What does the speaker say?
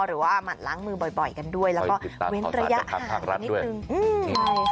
หรือว่าหมัดล้างมือบ่อยกันด้วยแล้วก็เว้นระยะห่างกันนิดนึงอืม